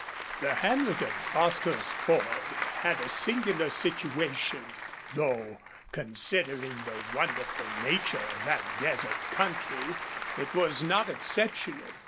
The hamlet of Bostil's Ford had a singular situation, though, considering the wonderful nature of that desert country, it was not exceptional.